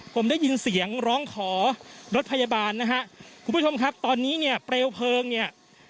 ผมได้ยินเสียงร้องขอรถพยาบาลนะฮะคุณผู้ชมครับตอนนี้เนี่ยเปลวเพลิงเนี่ย